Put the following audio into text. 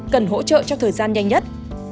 cần hỗ trợ trong thời gian nhanh nhất